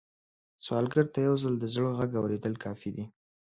سوالګر ته یو ځل د زړه غږ اورېدل کافي دي